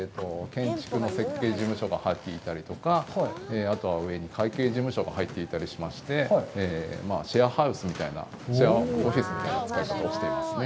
建築の設計事務所が入っていたりとか、あとは上に会計事務所が入っていたりしまして、シェアハウスみたいな、シェアオフィスみたいな使い方をしてますね。